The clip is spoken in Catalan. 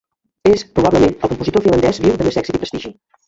És, probablement, el compositor finlandès viu de més èxit i prestigi.